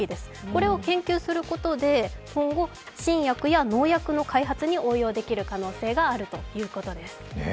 これを研究することで、今後新薬や農薬の開発に応用できる可能性があるということです。